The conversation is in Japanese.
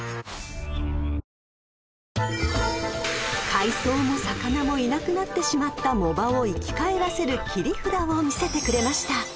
［海藻も魚もいなくなってしまった藻場を生き返らせる切り札を見せてくれました］